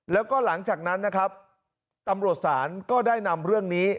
และหลังจากนั้นตำรวจศาลก็ได้นำเรื่องนี้